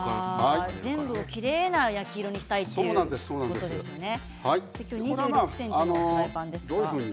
全部きれいな焼き色にしたいということですね。